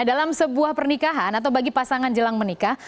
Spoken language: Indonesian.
dalam sebuah pernikahan atau bagi pasangan jelang menikah